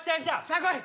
さあ来い！